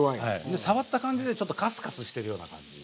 で触った感じでちょっとカスカスしてるような感じ